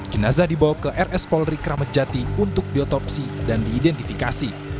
jenazah dibawa ke rs polri kramat jati untuk diotopsi dan diidentifikasi